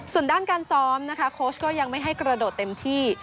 ส่วนด้านการซ้อมนะคะโค้ชก็ยังไม่ให้กระโดดเต็มที่